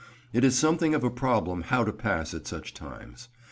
It is something of a problem how to pass at such times.